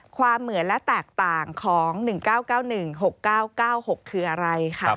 ความเหมือนและแตกต่างของ๖๙๙๑และ๖๙๙๖คืออะไร